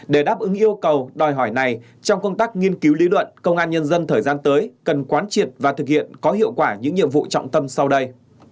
để đáp ứng yêu cầu đòi hỏi này trong công tác nghiên cứu lý luận công an nhân dân thời gian tới cần quán triệt và thực hiện có hiệu quả những nhiệm vụ trọng tâm sau đây